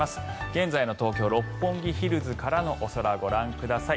現在の東京・六本木ヒルズからのお空ご覧ください。